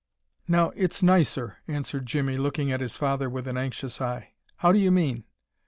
"Now it's nicer," answered Jimmie, looking at his father with an anxious eye. "How do you mean?"